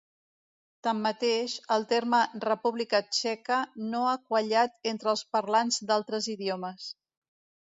Tanmateix, el terme República Txeca no ha quallat entre els parlants d'altres idiomes.